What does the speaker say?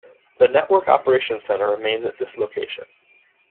The network operations center remains at this location.